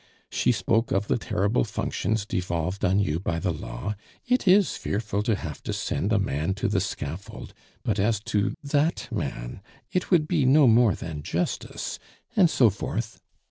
She spoke of the terrible functions devolved on you by the law, 'It is fearful to have to send a man to the scaffold but as to that man, it would be no more than justice,' and so forth.